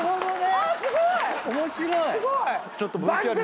えすごい。